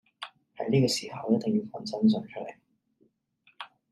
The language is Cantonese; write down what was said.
喺呢個時候我一定要講真相出來